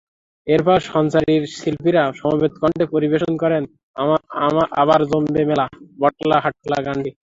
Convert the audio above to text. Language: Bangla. এরপর সঞ্চারীর শিল্পীরা সমবেত কণ্ঠে পরিবেশন করেন আবার জমবে মেলা বটতলা হাটখোলা গানটি।